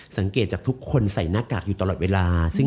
สังเกตจากทุกคนใส่หน้ากากอยู่ตลอดเวลา